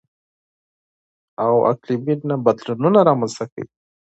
او اقلـيمي نه بـدلونـونه رامـنځتـه کوي.